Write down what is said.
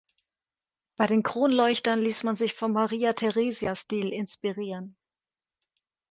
Bei den Kronleuchtern ließ man sich vom Maria Theresia-Stil inspirieren.